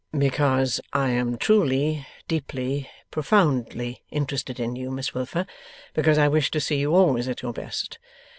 'Because I am truly, deeply, profoundly interested in you, Miss Wilfer. Because I wish to see you always at your best.